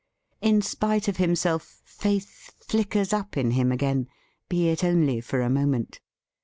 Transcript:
In spite of himself, faith flickers up in him again, be it only for a moment.